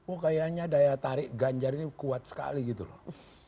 oh kayaknya daya tarik ganjar ini kuat sekali gitu loh